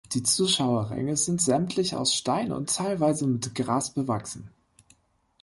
Die Zuschauerränge sind sämtlich aus Stein und teilweise mit Gras bewachsen.